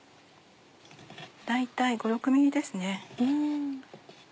大体５６ｍｍですね。